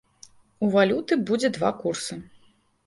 У валюты будзе два курсы.